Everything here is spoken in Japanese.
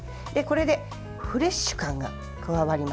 これでフレッシュ感が加わります。